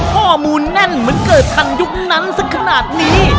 ข้อมูลแน่นเหมือนเกิดทันยุคนั้นสักขนาดนี้